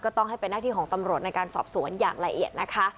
ต้องให้เป็นหน้าที่ของตำรวจในการสอบสวนอย่างละเอียดนะคะ